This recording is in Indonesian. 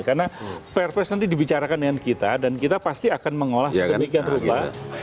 karena perpres nanti dibicarakan dengan kita dan kita pasti akan mengolah sedemikian rupa